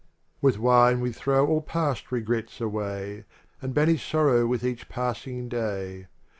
With wine we throw all past regrets away And banish sorrow with each passing day.